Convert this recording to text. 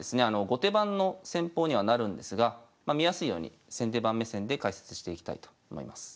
後手番の戦法にはなるんですが見やすいように先手番目線で解説していきたいと思います。